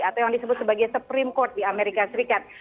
atau yang disebut sebagai supreme court di amerika serikat